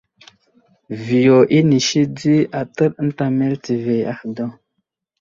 Viyo inisi di atəɗ ənta meltivi ahe daw.